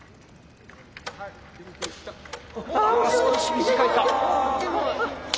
あ少し短いか。